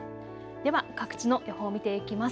では各地の予報を見ていきます。